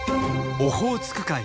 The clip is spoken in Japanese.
オホーツク海。